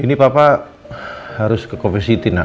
ini papa harus ke covet city nak